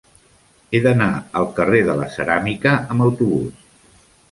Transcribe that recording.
He d'anar al carrer de la Ceràmica amb autobús.